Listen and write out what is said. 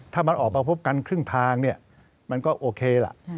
ถ้ามันออกมาพบกันครึ่งทางเนี่ยมันก็โอเคล่ะ